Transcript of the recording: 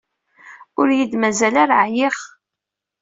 Ur iyi-d-mazal ara ɛyiɣ.